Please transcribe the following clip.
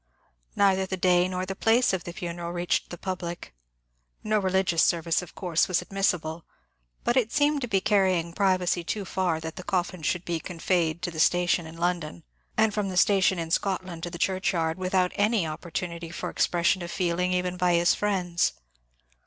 Neither the day nor the place of the funeral reached the public. No religious service, of course, was ad missible, but it seemed to be carrying privacy too far that the coffin should be conveyed to the station in London, and BURIAL OF CARLYLE 211 from the statdon in Scotland to the chnrchyard, without any opportunity for an expression of feeling even by his friends.